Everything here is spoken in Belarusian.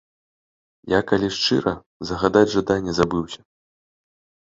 Я, калі шчыра, загадаць жаданне забыўся.